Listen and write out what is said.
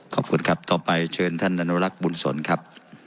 ขอบคุณครับต่อไปเชิญท่านอนุรักษ์บุญสนครับ